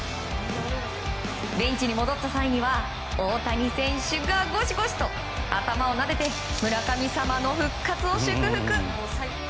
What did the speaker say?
ベンチに戻った際には大谷選手がごしごしと頭をなでて村神様の復活を祝福。